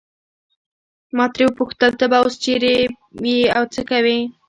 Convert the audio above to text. ما ترې وپوښتل ته به اوس چیرې یې او څه کوې.